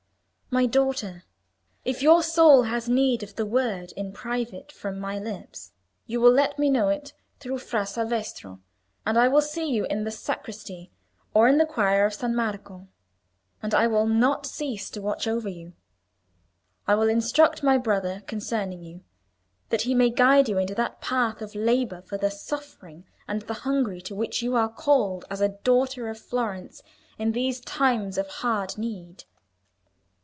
"My daughter, if your soul has need of the word in private from my lips, you will let me know it through Fra Salvestro, and I will see you in the sacristy or in the choir of San Marco. And I will not cease to watch over you. I will instruct my brother concerning you, that he may guide you into that path of labour for the suffering and the hungry to which you are called as a daughter of Florence in these times of hard need.